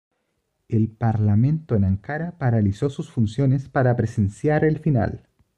El parlamento en Ankara paralizó sus funciones para presenciar el final.